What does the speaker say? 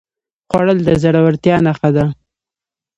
خوړل د زړورتیا نښه ده